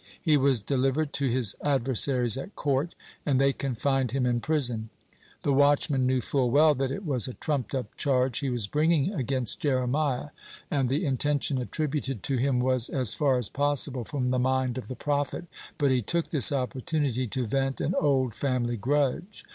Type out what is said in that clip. He was delivered to his adversaries at court, and they confined him in prison. The watchman knew full well that it was a trumped up charge he was bringing against Jeremiah, and the intention attributed to him was as far as possible from the mind of the prophet, but he took this opportunity to vent an old family grudge.